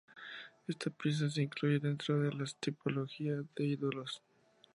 Esta pieza se incluye dentro de la tipología de los ídolos.